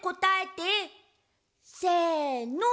せの！